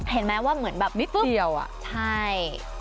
เห็นไหมว่าเหมือนแบบวิทยาลัยเช่นเดียว